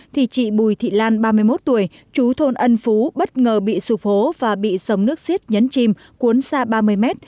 thì chị bùi thị lan ba mươi một tuổi chú thôn ân phú bất ngờ bị sụp hố và bị sống nước xiết nhấn chìm cuốn xa ba mươi mét